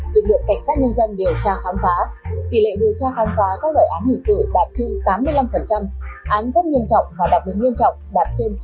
lực lượng cảnh sát nhân dân điều tra khám phá tỷ lệ điều tra khám phá các loại án hình sự đạt trên tám mươi năm án rất nghiêm trọng và đặc biệt nghiêm trọng đạt trên chín mươi